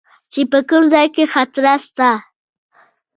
چې په کوم ځاى کښې خطره سته.